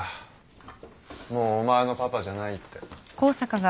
もうお前のパパじゃないって。